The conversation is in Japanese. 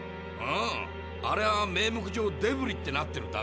あああれは名目上デブリってなってるだけさ。